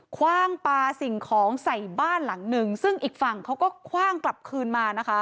คว่างปลาสิ่งของใส่บ้านหลังหนึ่งซึ่งอีกฝั่งเขาก็คว่างกลับคืนมานะคะ